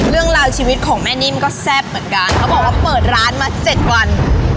เรื่องราวชีวิตของแม่นิ่มก็แซ่บเหมือนกันเขาบอกว่าเปิดร้านมาเจ็ดวัน